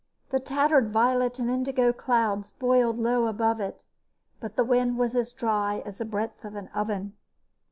The tattered violet and indigo clouds boiled low above it, but the wind was as dry as the breath of an oven.